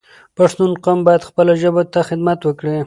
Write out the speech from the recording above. پښتون قوم باید خپله ژبه ته خدمت وکړی